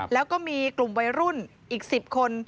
แล้วก็มีกลุ่มวัยรุ่นอีก๑๐คน